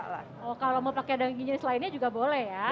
kalau mau pakai daging jenis lainnya juga boleh ya